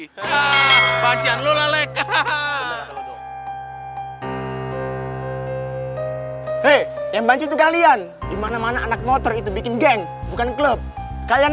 hai yang bantu kalian dimana mana anak motor itu bikin geng bukan klub kalian